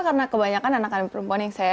karena kebanyakan anak anak perempuan yang saya